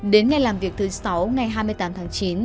đến ngày làm việc thứ sáu ngày hai mươi tám tháng chín